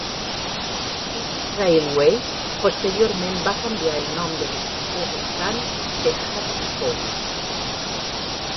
British Railways posteriorment va canviar el nom de l'estació restant de Haddiscoe.